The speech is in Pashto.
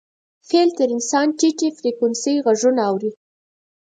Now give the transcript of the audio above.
فیل تر انسان ټیټې فریکونسۍ غږونه اوري.